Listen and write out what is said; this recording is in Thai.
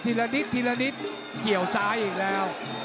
ละนิดทีละนิดเกี่ยวซ้ายอีกแล้ว